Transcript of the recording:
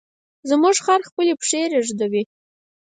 زموږ خر خپلې پښې ږدوي.